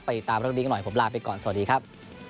ไปตามรักดีกันหน่อยผมลาไปก่อนสวัสดีครับ